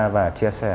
và chia sẻ